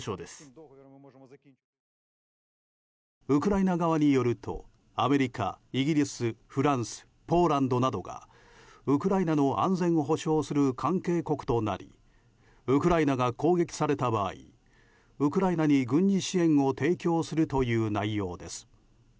ウクライナ側によるとアメリカ、イギリスフランス、ポーランドなどがウクライナの安全を保障する関係国となりウクライナが攻撃された場合ウクライナに軍事支援を提供するという内容です。